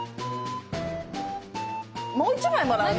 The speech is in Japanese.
もう１枚もらうね。